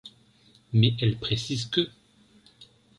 Mais elle précise que '.